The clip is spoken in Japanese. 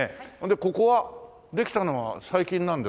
ここはできたのは最近なんですか？